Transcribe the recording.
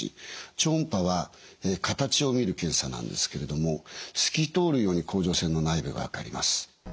超音波は形を見る検査なんですけれども透き通るように甲状腺の内部が分かります。